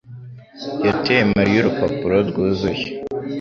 yateye Mariya urupapuro rwuzuye.